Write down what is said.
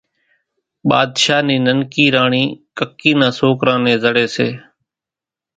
ٻاۮشاھ نِي ننڪي راڻِي ڪڪِي نان سوڪران نين زڙي سي